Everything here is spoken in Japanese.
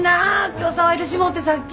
今日騒いでしもうてさっき。